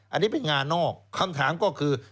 อันนี้เป็นงานนอกคำถามก็คือ